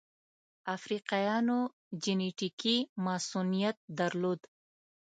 افریقایانو جنټیکي مصوونیت درلود.